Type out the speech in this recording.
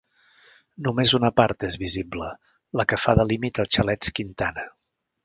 Només una part és visible, la que fa de límit als Xalets Quintana.